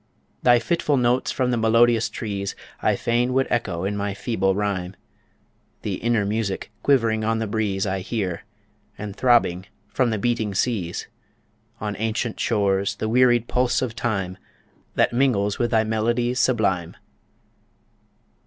Thy fitful notes from the melodious trees, I fain would echo in my feeble rhyme The inner music quivering on the breeze I hear; and throbbing from the beating seas, On ancient shores, the wearied pulse of Time That mingles with thy melodies sublime.